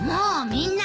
みんな！